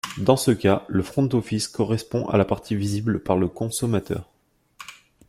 Dans ce cas, le front office correspond à la partie visible par le consommateur.